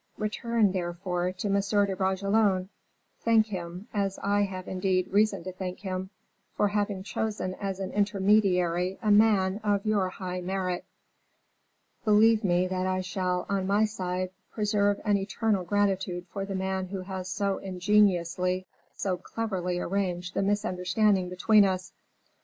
Return, therefore, to M. de Bragelonne; thank him as I have indeed reason to thank him for having chosen as an intermediary a man of your high merit. Believe me that I shall, on my side, preserve an eternal gratitude for the man who has so ingeniously, so cleverly arranged the misunderstanding between us.